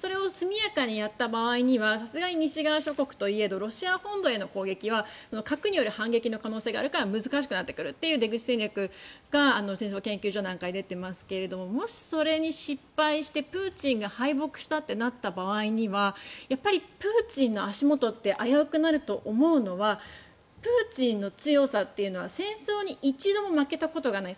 それを速やかにやった場合には西側諸国といえどロシア本土への攻撃は核による反撃の可能性があるから難しくなってくるという出口戦略が戦争研究所なんかで出ていますがもしそれに失敗してプーチンが敗北したとなった場合にはやっぱりプーチンの足元が危うくなると思うのはプーチンの強さというのは戦争に一度も負けたことがない。